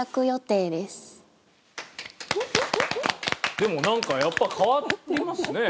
でもなんかやっぱ変わりますね。